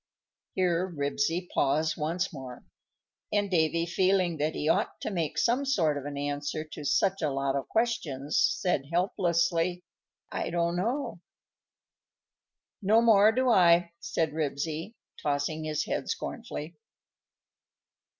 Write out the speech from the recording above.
_ Here Ribsy paused once more, and Davy, feeling that he ought to make some sort of an answer to such a lot of questions, said helplessly, "I don't know." "No more do I," said Ribsy, tossing his head scornfully.